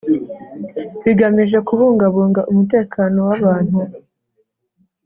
bigamije kubungabunga umutekano w abantu